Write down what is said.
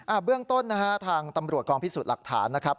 เบื้องต้นนะฮะทางตำรวจกองพิสูจน์หลักฐานนะครับ